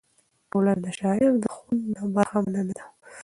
ټولنه د شاعر د خوند نه برخمنه نه ده.